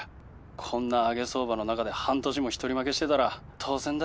こんな上げ相場の中で半年も一人負けしてたら当然だ。